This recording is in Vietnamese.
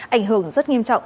ảnh hưởng rất nghiêm trọng